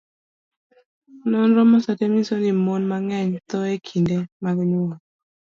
nonro mosetim nyiso ni mon mang'eny tho e kinde mag nyuol.